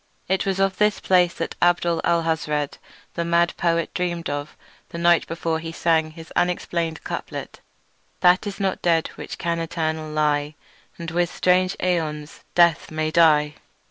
It was of this place that Abdul Alhazred the mad poet dreamed on the night before he sang his unexplainable couplet: "That is not dead which can eternal lie, And with strange aeons even death may die."